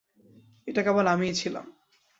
এটা কেবল আমিই ছিলাম।